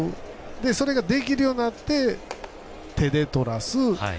それができるようになって手でとらす。